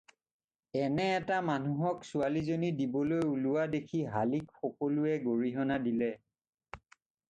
এনে এটা মানুহক ছোৱালীজনী দিবলৈ ওলোৱা দেখি হালিক সকলোৱে গৰিহণা দিলে।